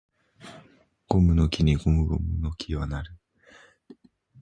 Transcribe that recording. ゴムの木にゴムゴムの木は成る